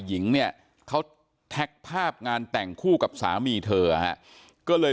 หญิงเนี่ยเขาแท็กภาพงานแต่งคู่กับสามีเธอฮะก็เลย